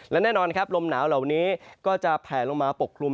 และแน่นอนครับลมหนาวเหล่านี้ก็จะแผลลงมาปกคลุม